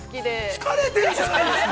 ◆疲れているじゃないですか。